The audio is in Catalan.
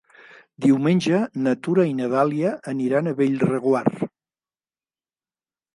Diumenge na Tura i na Dàlia aniran a Bellreguard.